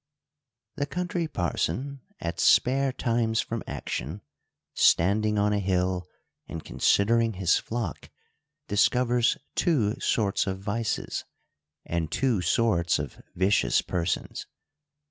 The Country Parson, at spare times from action, standing on a hill and considering his flock, discovers two sorts of vices, and two sorts of vicious persons.